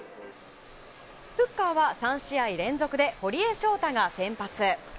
フッカーは３試合連続で堀江翔太が先発。